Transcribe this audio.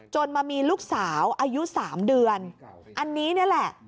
มามีลูกสาวอายุ๓เดือนอันนี้นี่แหละ